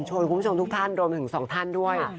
โชว์ช่วยคุณผู้ชมทุกท่านโดยมาถึงสองท่านด้วย